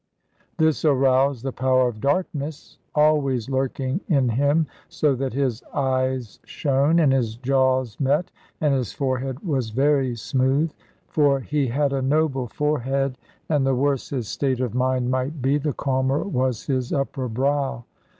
This aroused the power of darkness always lurking in him, so that his eyes shone, and his jaws met, and his forehead was very smooth. For he had a noble forehead; and the worse his state of mind might be, the calmer was his upper brow.